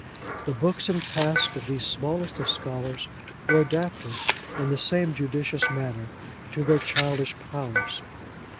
The books and tasks of these smallest of scholars, were adapted, in the same judicious manner, to their childish powers.